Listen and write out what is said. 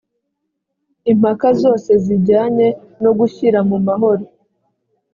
impaka zose zijyanye no gushyira mumahoro